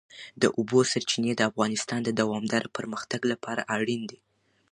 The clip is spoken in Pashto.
د اوبو سرچینې د افغانستان د دوامداره پرمختګ لپاره اړین دي.